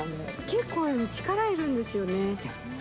結構でも、力いるんですよね。